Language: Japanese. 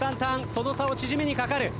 その差を縮めにかかる。